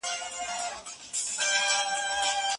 موږ به په پرمختللي افغانستان کي ژوند وکړو.